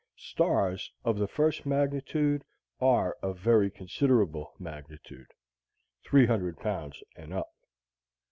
Stars of the first magnitude are of very considerable magnitude 300 pounds and up.